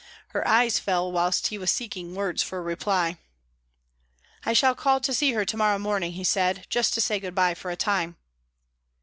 Her eyes fell whilst he was seeking words for a reply. "I shall call to see her to morrow morning," he said, "just to say good bye for a time."